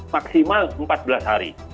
maksimal empat belas hari